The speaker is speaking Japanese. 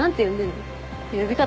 呼び方？